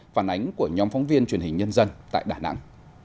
phản ánh của nhóm phóng viên truyền hình nhân dân tại đà nẵng